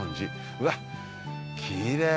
うわっきれい。